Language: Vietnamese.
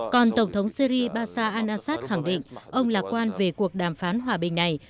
còn tổng thống syri bashar al assad khẳng định ông lạc quan về cuộc đàm phán hòa bình này